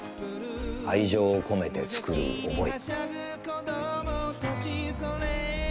愛情を込めて作る思い。